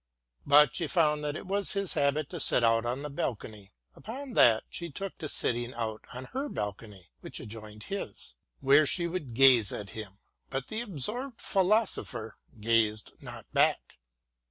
But she found that it was his habit to sit out on the balcony ; upon that she took to sitting out on her balcony, which adjoined his, where she would gaze at him, but ^6 WILLIAM GODWIN AND the absorbed philosopher gazed not back.